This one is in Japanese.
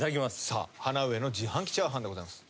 さあハナウエの自販機チャーハンでございます。